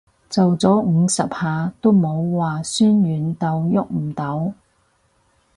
做咗五十下都冇話痠軟到郁唔到